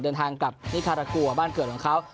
เดินทางกลับนิคารากัวบ้านเกิดของเขา